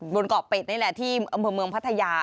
บนเกาะเป็ดนี่แหละที่อำเภอเมืองพัทยา